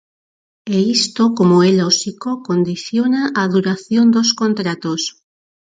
E isto, como é lóxico, condiciona a duración dos contratos.